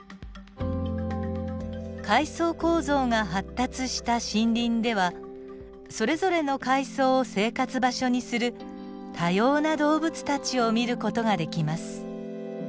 階層構造が発達した森林ではそれぞれの階層を生活場所にする多様な動物たちを見る事ができます。